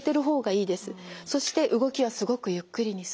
そして動きはすごくゆっくりにする。